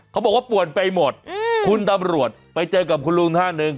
เขาบอกว่าป่วนไปหมดคุณตำรวจไปเจอกับคุณลุงท่านหนึ่ง